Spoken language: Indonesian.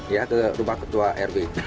ya ke rumah ketua rw